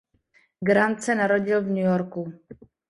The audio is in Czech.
Grant se narodil v New Yorku.